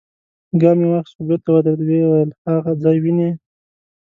ګام يې واخيست، خو بېرته ودرېد، ويې ويل: هاغه ځای وينې؟